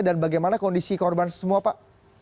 dan bagaimana kondisi korban semua pak